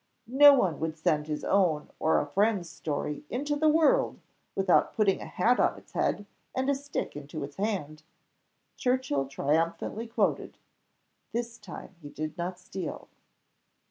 No one would send his own or his friend's story into the world without 'putting a hat on its head, and a stick into its hand,'" Churchill triumphantly quoted; this time he did not steal.